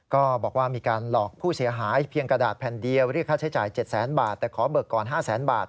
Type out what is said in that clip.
ก็บอกว่ามีการหลอกผู้เสียหายเพียงกระดาษแผ่นเดียวเรียกค่าใช้จ่าย๗แสนบาทแต่ขอเบิกก่อน๕แสนบาท